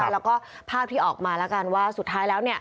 แล้วก็ภาพที่ออกมาแล้วกันว่าสุดท้ายแล้ว